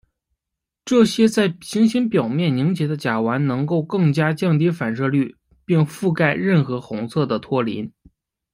这些在行星表面凝结的甲烷能够更加降低反射率并覆盖任何红色的托林。